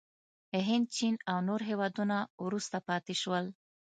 هند، چین او نور هېوادونه وروسته پاتې شول.